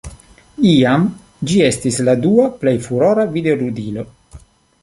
Iam ĝi estis la dua plej furora videoludilo.